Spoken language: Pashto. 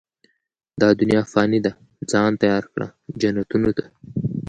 دا دنيا فاني ده، ځان تيار کړه، جنتونو ته